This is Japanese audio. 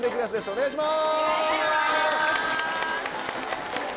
お願いします！